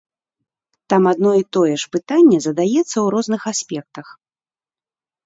Там адно і тое ж пытанне задаецца ў розных аспектах.